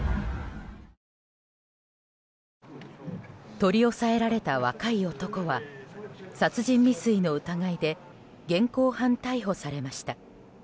取り押さえられた若い男は殺人未遂の疑いで現行犯逮捕されました。